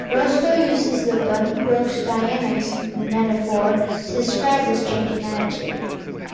Rostow uses the Buddenbrooks dynamics metaphor to describe this change in attitude.